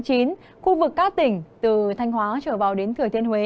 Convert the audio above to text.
khu vực các tỉnh từ thanh hóa trở vào đến thừa thiên huế